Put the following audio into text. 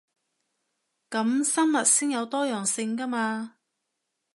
噉生物先有多樣性 𠺢 嘛